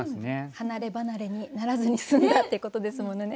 離れ離れにならずに済んだってことですものね。